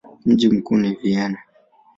Mji mkuu ni Vienna.